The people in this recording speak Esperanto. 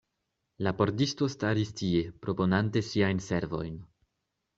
La pordisto staris tie, proponante siajn servojn.